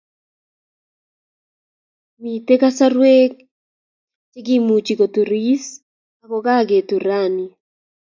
Mitei kasarwek che kiimuch koturis ako kaketur rani